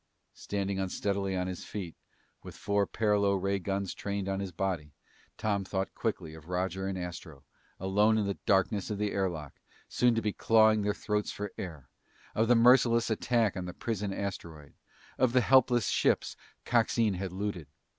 Standing unsteadily on his feet, with four paralo ray guns trained on his body, Tom thought quickly of Roger and Astro, alone in the darkness of the air lock, soon to be clawing their throats for air; of the merciless attack on the prison asteroid; of the helpless ships Coxine had looted.